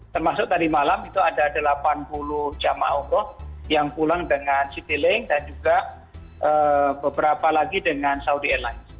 termasuk tadi malam itu ada delapan puluh jemaah umroh yang pulang dengan citilink dan juga beberapa lagi dengan saudi airlines